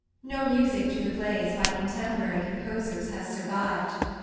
No music to the plays by contemporary composers has survived.